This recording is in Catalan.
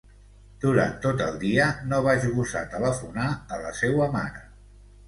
Durant tot el dia no vaig gosar telefonar a la seua mare.